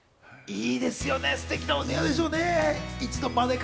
いいですよね、ステキなお庭でしょうね。